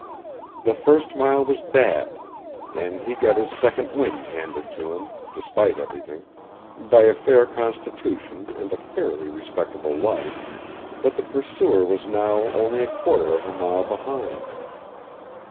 The first mile was bad, then he got his second wind handed to him, despite everything, by a fair constitution and a fairly respectable life, but the pursuer was now only a quarter of a mile behind.